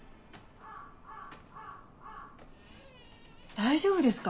大丈夫ですか？